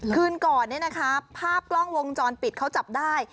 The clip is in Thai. คืนก่อนเนี่ยนะคะภาพกล้องวงจรปิดเขาจับได้